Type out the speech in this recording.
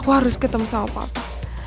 aku harus ketemu sama papa